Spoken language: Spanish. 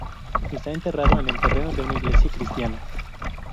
Está enterrado en el terreno de una iglesia cristiana.